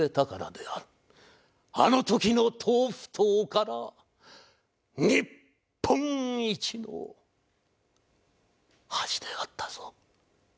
あの時の豆腐とおからは日本一の味であったぞ。